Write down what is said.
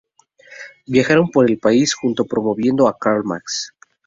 Viajaron por el país junto promoviendo a Karl Marx.